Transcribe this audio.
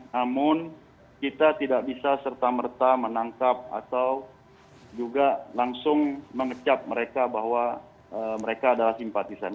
namun kita tidak bisa serta merta menangkap atau juga langsung mengecap mereka bahwa mereka adalah simpatisan